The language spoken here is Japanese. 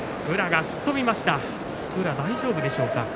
宇良は大丈夫でしょうか。